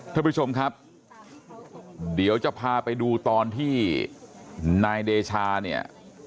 ท่านผู้ชมครับเดี๋ยวจะพาไปดูตอนที่นายเดชาเนี่ย